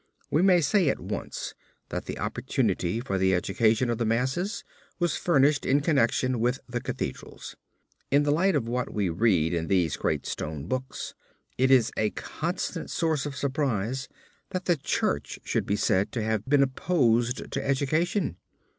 We may say at once that the opportunity for the education of the masses was furnished in connection with the Cathedrals. In the light of what we read in these great stone books, it is a constant source of surprise that the Church should be said to have been opposed to education.